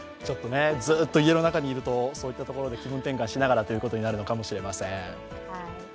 ずっと家の中にいるとそういったところで気分転換しながらということになるのかもしれません。